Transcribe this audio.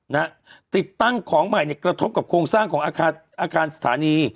นะฮะติดตั้งของใหม่เนี่ยกระทบกับโครงสร้างของอาคารอาคารสถานี